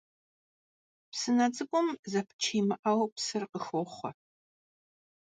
Psıne ts'ık'um zepıç yimı'eu psır khıxoxhue.